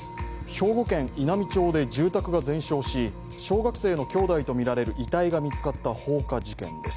兵庫県稲美町で住宅が全焼し小学生の兄弟とみられる遺体が見つかった放火事件です。